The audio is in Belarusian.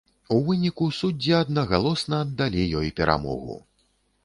У выніку суддзі аднагалосна аддалі ёй перамогу.